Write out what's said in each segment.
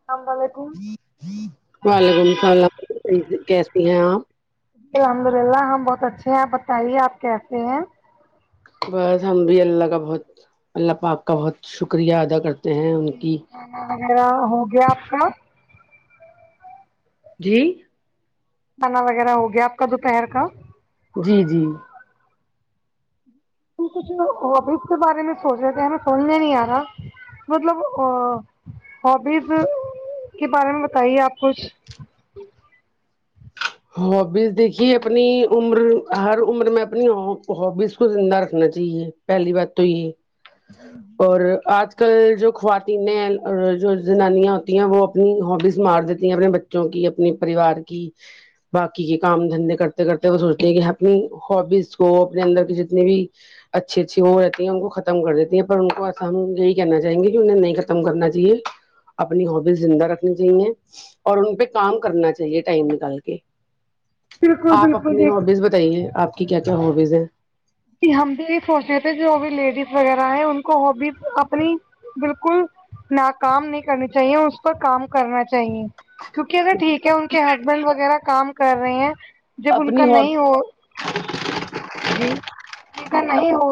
[unintelligible] وعلیکم السلام کیسی ہیں آپ الحمد للہ ہم بہت اچھے ہیں آپ بتائیے آپ کیسے ہیں کھانا بس ہم بھی اللہ کا بہت اللہ پاک کا بہت شکریہ ادا کر جی کھانا وغیرہ ہو گیا آپ کا جی کھانا وغیرہ ہو گیا آپ کا دوپہر کا جی جی کچھ نہیں وہ ہابیز کے بارے میں سوچ رہے تھے ہمیں سمجھ نہیں آ رہا مطلب ا ہابیز کے بارے میں بتائیے آپ کچھ ہابیز دیکھیے اپنی عمر ہر عمر میں اپنی ہا ہابیز کو زندہ رکھنا چاہیے پہلی بات تو یہ ہوں ہوں اور آج کل جو خواتینیں جو زنانیاں ہوتی ہیں وہ اپنی ہابیز مار دیتی ہیں اپنے ب چوں کی اپنے پریوار کی باقی کے کام دھندے کرتے کرتے وہ سوچٹے کہ اپنی ہابیز کو اپنے اندر کے جتنے بھی اچھی اچھی وہ رہتی ہے ان کو ختم کر دیتی ہیں پر ان کو ایسا ہم یہی کہنا چاہیں گے کہ انہیں نہیں ختم کرنا چاہیے اپنی ہابیز زندہ رکھنی چاہیے اور ان پہ کام کرنا چاہیے ٹائم نکال کے بالکل آپ بالکل اپنی دیکھ ہبیز بتائیے آپ کی کیا کیا ہبیز ہیں ہم بھی یہ سوچ رہ تھے جو بھی لیڈیز وغیرہ ہے ان کو ہوبیز اپنی بالکل ناکام نہیں کرنی چاہیے اس پر کام کرنا چاہیے کیونکہ اگر ٹھیک ہے ان کے ہسبینڈ وغیرہ کام کر رہے ہیں جب ان کا اپنی نہیں ہابی ہو جی ان کا نہیں ہو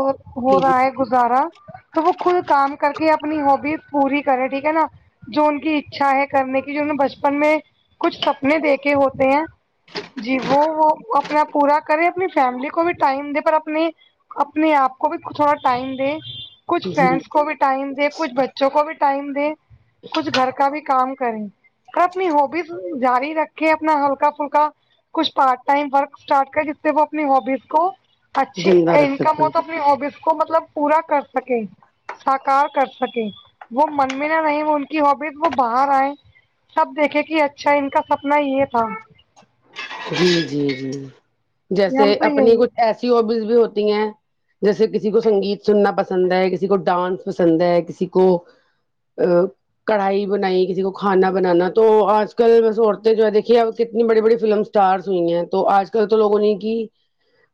ہو رہا ہے گزارا تو وہ خود کام کر کے اپنی ہوبیز پوری کرے ٹھیک ہے نا جو ان کی اچھا ہے کرنے کی جو ان نے بچپن میں کچھ سپنے دیکھے ہوتے ہیں جی وہ وہ اپنا پورا کرے اپنی فیملی کو بھی ٹائم دے پر اپنی اپنے آپ کو بھی تھوڑا ٹائم دے کچھ جی فنس کو بھی ٹائم دے کچھ بچوں کو بھی ٹائم دے کچھ گھر کا بھی کام کریں پر اپنی ہوبیز جاری رکھے اپنا ہلکا فلکا کچھ پارٹ ٹائم ورک اسٹارٹ کرے جس سے وہ اپنی ہبیز کو اچھی زندہ رکھ انکم ہو سکیں تو اپنی آبیز کو مطلب پورا کر سکیں ساکار کر سکے وہ من میں نہ نہیں وہ ان کی ہبیز وہ باہر آئے سب دیکھے کہ اچھا ان کا سپنا یہ تھا جی جی جی جیسے ہم تو اپنی یہی کچھ ایسی ہوبیز بھی ہوتی ہیں جیسے کسی کو سنگیت سننا پسند ہے کسی کو ڈانس پسند ہے کسی کو کڑھائی بنائی کسی کو کھانا بنانا تو آج کل بس عورتیں جو ہے دیکھیے اب کتنی بڑی بڑی فلمس اسٹارس ہوئی ہیں تو آج کل تو لوگوں نے کی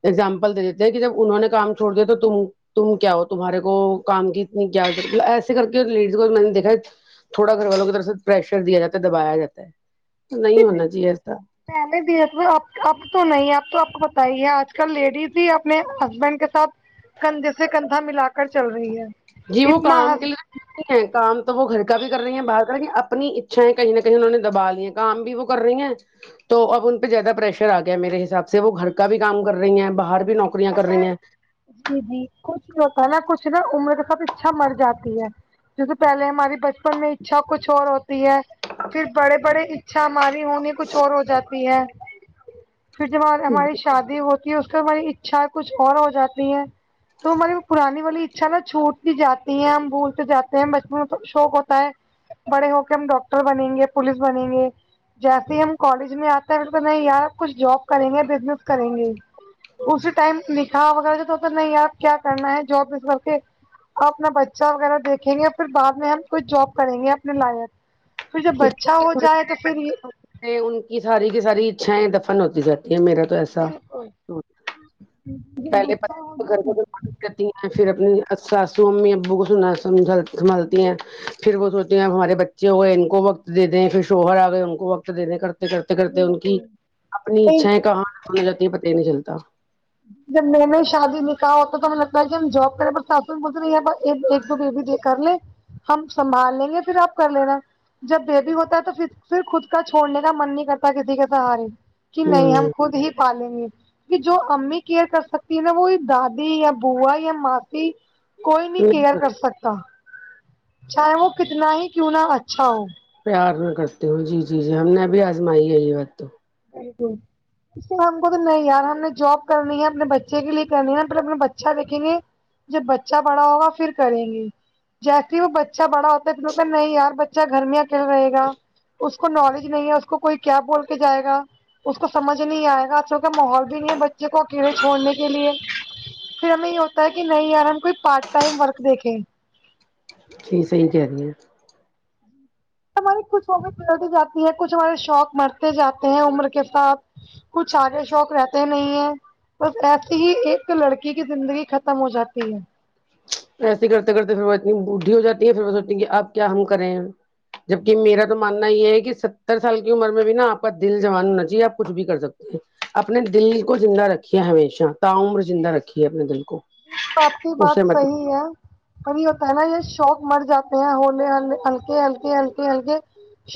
اگزامپل دے دیتے ہیں کہ جب انہوں نے کام چھوڑ دیا تو تم تم کیا ہو تمہارے کو کام کی اتنی کیا ضت ایسے کر کے لیڈیز کو میں نے دیکھا ہے تھوڑا گھر والوں کی طرف سے پریشر دیا جاتا ہے دبایا جاتا ہے نہیں ہونا چاہیے ایسا پہلے بھی اب اب تو نہیں اب تو اب کو پتا ہی ہے آج کل لیڈیز ہی اپنے ہسبینڈ کے ساتھ کندھے سے کندھا ملا کر چل رہی ہے اتنا ہ نہیں ہے کام تو وہ گھر کا بھی کر رہی ہیں باہر کریں ہیں اپنی اچھایں کہیں نہ کہیں انہوں نے دبا لی ہے کام بھی وہ کر رہی ہیں تو اب ان پہ زیادہ پریشر آ گیا ہے میرے حساب سے وہ گھر کا بھی کام کر رہی ہیں باہر بھی نوکریاں کر پتا ہے رہی ہیں جی جی کچھ بھی ہوتا ہے نا کچھ نا عمر کے ساتھ اچھا مر جاتی ہے جیسے پہلے ہماری بچپن میں اچھا کچھ اور ہوتی ہے پھر بڑے بڑے اچھا ہماری ہونی کچھ اور ہو جاتی ہے پھر جب ہماری شادی ہوتی ہے اس کو ہماری اچھا کچھ اور ہو جاتی ہے تو ہماری پرانی والی اچھا نا چھوٹتی جاتی ہے ہم بھولتے جاتے ہیں بچپن میں شوق ہوتا ہے بڑے ہو کے ہم ڈاکٹر بنیں گے پوولس بنیں گے جیسے ہی ہم کالج میں آتے ہیں پ نہیں یار آب کچھ جاب کریں گے بزنس کریں گے اسی ٹائم نکاح وغیرہ تو تو نہیں یپ کیا کرنا ہے جاب اس کر کے اور اپنا بچہ وغیرہ دیکھیں گے اور پھر بعد میں ہم کوچھ جاب کریں گے اپنے لائق پھر جب بچہ ہو جائے تو پھر یہ ان کی ساری کی ساری اچھایں دفن ہوتی جاتی ہے میرا تو ایسا بالکل پہلے پتا [unintelligible] گھر گھر تی ہیں پھر اپنی ساسو امی ابو کو سنا سمھ سنبھالتی ہیں پھر وہ سوچتے ہیں اب ہمارے بچے ہو گئے ان کو وقت دے دیں پھر شوہر آ گئے ان کو وقت دینے کر کرتے کرتے ان کی اپنی اچھایں کہاں ختم ہونے جاتی ہے پتہ ہی نہیں چلتا جب میں نے شادی نکال ہوتا تو ہمیں لگتا ہے کہ ہم جاب کریں پر ساسو میں بولتے نہیں یہ بس ایک ایک دو بیبی کر لے ہم سنبھال لیں گے پھر آپ کر لینا جب بیبی ہوتا ہے تو پھر پھر خود کا چھوڑنے کا من نہیں کرتا کسی کے سہارے کہ نہیں ہوں ہم خود ہی پالیں گے کہ جو امی کیئر کر سکتی ہے نا وہ دادی یا بوا یا ماسی کوئی نہیں کیئر کر سکتا چاہے وہ کتنا ہی کیوں نہ اچھا ہو پیار میں کرتی ہوں جی جی جی ہم نے ابھی آزمائی ہے یہ بات تو صحیح تم اس میں ہم کو تو نہیں یار ہم نے جاب کرنی ہے اپنے بچے کے لیے کرنی ہے پھر اپنا بچہ دیکھیں گے جب بچہ بڑا ہوگا پھر کریں گے جیسے ہی وہ بچہ بڑا ہوتا ہے تو نہیں یار ب چہ گھر میں اکیلا رہے گا اس کو نالج نہیں ہے اس کو کوئی کیا بول کے جائے گا اس کو سمجھ نہیں آئے گا آج کال کا ماحول بھی نہیں ہے ب چے کو اکیلے چھوڑنے کے لیے پھر ہمیں یہ ہو تا کہ نہیں یار ہم کوئی پارٹ ٹائم ورک دیکھیں جی صحیح کہہ رہی ہیں ہماری کچھ ہوم کتی جاتی ہیں کچھ ہمارے شوق مرتے جاتے ہیں عمر کے ساتھ کچھ آگے شوق رہتے نہیں ہے بس ایسی ہی ایک لڑکی کی زندگی ختم ہو جاتی ہے ایسے کرتے کرتے پھر وہ اتنی بوڑھی ہو جاتی ہے پھر وہ سوچتی ہیں کہ آپ کیا ہم کریں جبک میرا تو ماننا یہ ہے کہ ستر سال کی عمر میں بھی نا آپ کا دل جوان ہونا چاہیے آپ کچھ بھی کر سکتے ہ اپنے دل ہی کو زندہ رکھیے ہمیشہ تا عمر زندہ رکھئیے اپنے دل کو اسے مت ابھی ہوتا ہے نا یہ شوق مر جاتے ہیں ہونے ہلکے ہلکے ہلکے ہلکے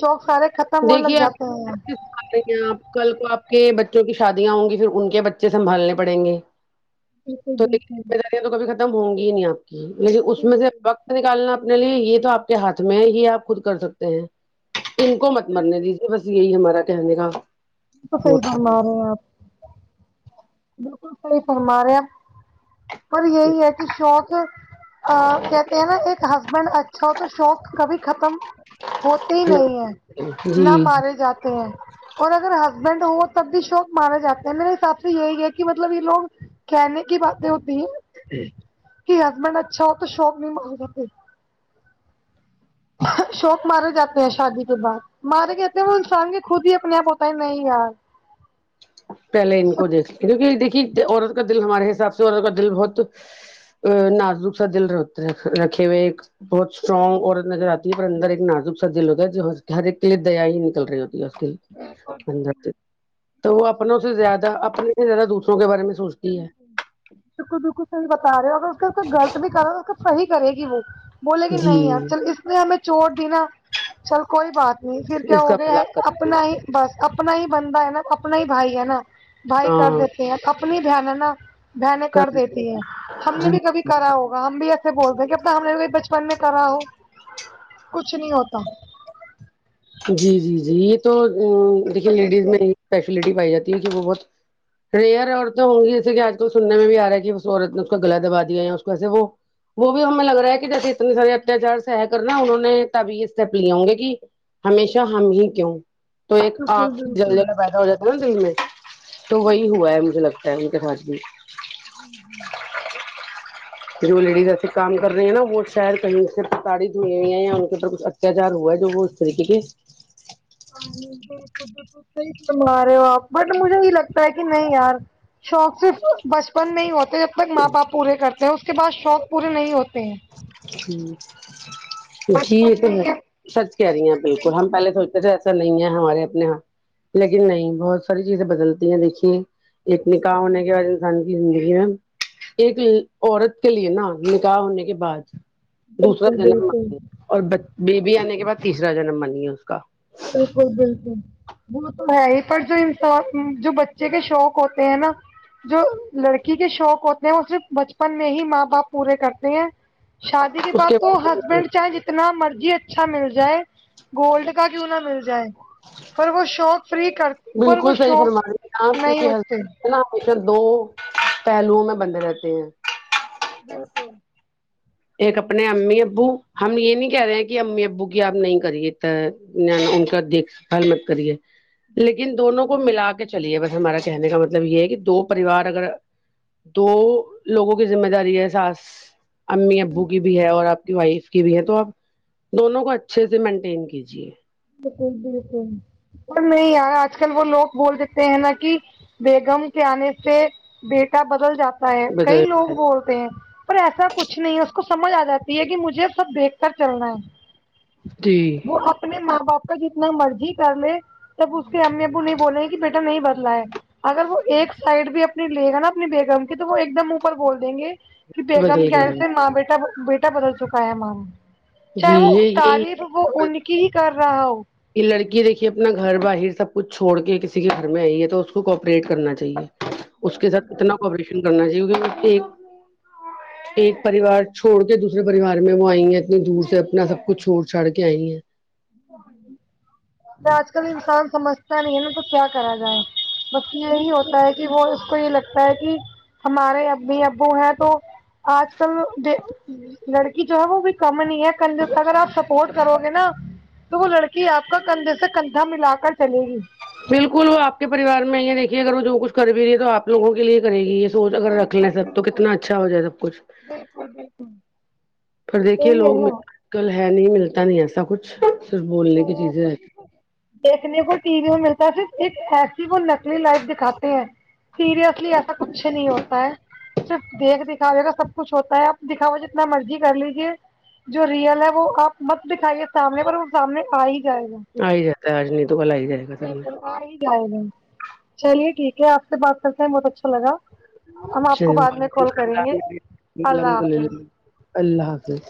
شوق سارے خت دیکھیے آپ [unintelligible] آ رہے آپ کل کو آپ کے بچوں کی شادیاں ہوں گی پھر ان کے بچے سنبھالنے پڑیں گے بالکل تو دیکھیے بالکل ذمہ داریاں تو کبھی ختم ہوں گی ہی نہیں آپ کی لیکن اس جی جی میں سے وقت نکالنا اپنے لیے یہ تو آپ کے ہاتھ میں ہی آپ خود کر سکتے ہیں ان کو مت مرنے دیجئے بس یہی ہمارا کہنے کا تو وہ صحیح تھا فرما رہے ہیں آپ بالکل صحیح فرما رہے پر یہی ہے کہ شوق ہاں کہتے ہیں نا ایک ہسبینڈ اچھا ہو تو شوق کبھی ختم ہوتے ہی نہیں ہیں جی نہ مارے جاتے ہیں اور اگر ہسبینڈ ہو تب بھی شوق مارا جاتا ہے میرے حساب سے یہی ہے کہ مطلب یہ لوگ کہنے کی باتیں ہوتی ہیں کہ ہسبینڈ اچھا ہو تو شوق بھی مارے جاتے شوق مارے جاتے ہیں شادی کے بعد مارے گئے ہیں وہ انسان کے خود ہی اپنے آپ ہو تا نہیں یار پہلے ان کو دیکھ کیونکہ دیکھیے عورت کا دل ہمارے حساب سے عورت کا دل بہت نازک سا دل رہت رکھے ہوئے ایک بہت اسٹرانگ عورت نظر آتی ہے پر اندر ایک نازک سا دل ہوتا ہے جو ہر ایک کے لیے دیا ہی نکل رہی ہو [unintelligible] تو وہ اپنوں سے زیادہ اپنو سے زیادہ دوسروں کے بارے میں سوچ بالکل بالکل صحیح بتا رہے ہو اگر کوئی غط بھی صحیح کرے گی وہ بولے گی نہیں یار جی چل اس نہیں ہمیں چوٹ دینا چل کوئی بات نہیں پھر کیا اس کا ہو گیا بھلا ہے کر اپنا ہی بس اپنا ہی بندہ ہے نا اپنا ہی بھائی ہے نا بھائی کر ہاں دیتے ہیں اپنی بہن ہے نا بہنیں کر دیتی ہیں ہم نے بھی جی کبھی کرا ہو ہم بھی ایسے بولتے ہیں لکتاہے ہم نے بھی بچپن میں کرا ہو کچھ نہیں ہوتا جی جی جی یہ تو دیکھئے وجہ لیڈیز سے میں اسپشلٹی پائی جاتی ہے کہ وہ بہت ریئر عورتیں ہوں گی جیسے کہ آج کل سننے میں بھی رہا ہے کہ اس عورت نے اس کا گلا دبا دیا ہے یا اس کو ایسے وہ وہ بھی ہمیں لگ رہا ہے کہ جیسے اتنے سارے اتیاچار سح کرنا انہوں نے تب یہ اسٹیپ لے ہوں گے کہ ہمیشہ ہم ہی کیوں تو ایک آگ بالکل جل بالکل جلا پیدا ہو جاتا ہے نا دل میں تو وہی ہوا ہے مجھے لگتا ہے ان کے ساتھ بھی جو لیڈیز ایسے کام کر رہے ہیں نا وہ شاید کہیں سے پڑت ہو ہیں یا ان کے پر کچھ اتیاچار ہوا جو وہ [unintelligible] بالکل بالکل صحیح فرما رہے ہو آپ بٹ مجھے یہ لگتا ہے کہ نہیں یار شوق صرف بچپن میں ہی ہوتے جب تک ماں باپ پورے کرتے ہیں اس کے بعد شوق پورے نہیں ہوتے ہیں جی یہ بچپن تو میں ہے ہی سچ کہہ رہی ہیں بچپن میں ہی بالکل ہم پہلے سوچتے تھے نہیں ہے ہمارے اپنے یہاں لیکن نہیں بہت ساری چیزیں بدلتی ہیں دیکھیے ایک نکاح ہونے کے بعد انسان ہے ایک عورت کے لیے نا نکاح ہونے کے بعد دوسرا بالکل جنم بالکل اور بیبی آنے کے بعد تیسرا جنم بن گیا اس کا بالکل بالکل وہ تو ہے ہی پر جو انسان جو بچے کے شوق ہوتے ہیں نا جو لڑکی کے شوق ہوتے ہیں وہ صرف بچپن میں ہی ماں باپ پورے کرتے ہیں شادی کے اس بعد تو بعد ہسبینڈ چاہے جتنا مرضی اچھا مل جائے گولڈ کا کیوں نہ مل جائے پر وہ شوق پورے کر پر وہ بالکل صحیح شوق فرما رہی ہیں آپ نہیں کیونکہ ہوتے ہسبینڈ نا ہمیشہ دو پہلوؤں میں بندھے رہتے ہیں بالکل ایک اپنے امی ابو ہم یہ نہیں کہہ رہے ہیں کہ امی ابو کی آپ نہیں کریے ان کا دیک حال مت کریے لیکن دونوں کو ملا کے چلیے بس ہمارا کہنے کا مطلب یہ ہے کہ دو پریوار اگر دو لوگوں کی ذمہ داری ہے ساس امی ابو کی بھی ہے اور آپ کی وائف کی بھی ہے تو آپ دونوں کو اچھے سے مینٹین کیجیے بالکل بالکل پر نہیں یار آج کل وہ لوگ بول دیتے ہیں نا کہ بیگم کے آنے سے بیٹا بدل جاتا ہے کئی بدل لوگ بولتے ہیں پر ایسا کچھ نہیں ہے اس کو سمجھ آ جاتی ہے کہ مجھے سب دیکھ کر چلنا ہے جی وہ اپنے ماں باپ کا جتنا مرضی کر لے تب اس کے امی ابو نہیں بولے ہیں کہ بیٹا نہیں بدلا ہے اگر وہ ایک سائڈ بھی اپنی لے گا نا اپنی بیگم کے تو وہ ایک دم اوپر بول دیں گے کہ بیگم بدل کے گئے آنے ہم سے ماں بیٹا بیٹا بدل چکا ہے جی چاہے وہ یہ یہی تعریف وہ ان کی ہی کر رہا ہو یہ لڑکی دیکھیے اپنا گھر باہر سب کچھ چھوڑ کے کسی کے گھر میں آئی ہے تو اس کوپریٹ کرنا چاہیے اس کے ساتھ کتنا کوپریشن کرنا چاہیے ایک [inaudible] ایک پریوار چھوڑ کے دوسرے پریوار میں وہ آئی ہیں اتنی دور سے اپنا سب کچھ چھوڑ چھاڑ کے آئی ہیں میں آج کل انسان سمجھ تا نہیں ہے نا تو کیا کرا جائے بس یہی ہوتا ہے کہ وہ اس کو یہ لگتا ہے کہ ہمارے امی ابو ہیں تو آج کل لڑکی جو ہے وہ بھی کم نہیں ہے کرنے اگر آپ سپورٹ کرو گے نا تو وہ لڑکی آپ کا کندھے سے کندھا ملا کر چلے گی بالکل وہ آپ کے پریوار میں دیکھیے اگر وہ جو کچھ کر بھی رہی ہے تو آپ لوگوں کے لیے کرے گی یہ سوچ اگر رکھ لیں بالکل سب تو بالکل کتنا اچھا ہو جائے سب کچھ بالکل بالکل پھر دیکھیے یہی ہے لوگ نا میرکل ہے نہیں ملتا نہیں ایسا کچھ صرف بولنے کی نہیں ایسا چیزیں رہتی کیسے دیکھنے کو ٹی وی میں ملتا ہے صرف ایک ایسی وہ نکلی لائف دکھاتے ہیں سیریسلی ایسا کچھ نہیں ہوتا ہے صرف دیکھ دکھاوے کا سب کچھ ہوتا ہے آپ دکھاوا جتنا مرضی کر لیجے جو ریئل ہے وہ آپ مت دکھائیے سامنے پر وہ سامنے آ ہی جائے گا آ ہی جاتا ہے آج نہیں تو کل آ ہی جائے گا سامنے آہی جائے گا چلیے ٹھیک ہے آپ سے بات کرتے ہیں بہت اچھا لگا ہم آپ کو چل بعد میں کال کریں انشاء گے اللہ اللہ الحمد حافظ للہ اللہ حافظ